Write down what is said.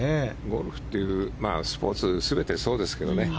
ゴルフというスポーツ全てそうですけどね